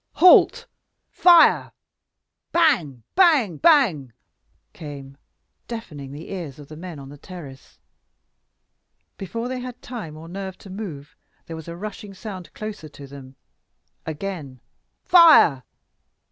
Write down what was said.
"Halt! Fire!" Bang! bang! bang! came deafening the ears of the men on the terrace. Before they had time or nerve to move, there was a rushing sound closer to them again "Fire!"